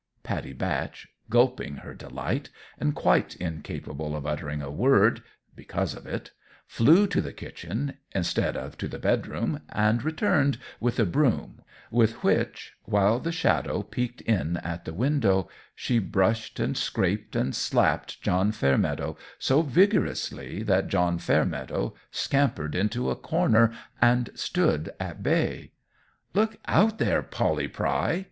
Pattie Batch, gulping her delight, and quite incapable of uttering a word, because of it, flew to the kitchen, instead of to the bedroom, and returned with a broom, with which, while the Shadow peeked in at the window, she brushed, and scraped, and slapped John Fairmeadow so vigorously that John Fairmeadow scampered into a corner and stood at bay. "Look out, there, Polly Pry!"